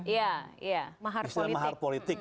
iya mahar politik